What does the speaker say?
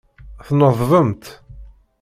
Tneḍbemt.